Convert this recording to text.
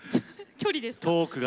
距離ですか？